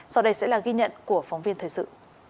sau đây sẽ là ghi nhận của phóng viên thời sự